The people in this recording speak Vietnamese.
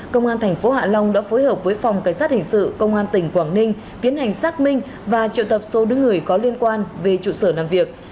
công an thành phố hạ long đã phối hợp với phòng cảnh sát hình sự công an tỉnh quảng ninh tiến hành xác minh và triệu tập số đứa người có liên quan về trụ sở làm việc